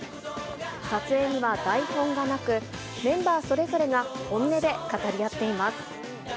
撮影には台本がなく、メンバーそれぞれが本音で語り合っています。